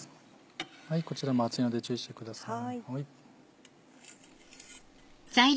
こちらも熱いので注意してください。